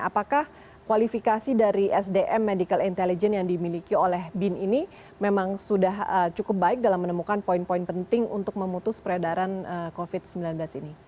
apakah kualifikasi dari sdm medical intelligence yang dimiliki oleh bin ini memang sudah cukup baik dalam menemukan poin poin penting untuk memutus peredaran covid sembilan belas ini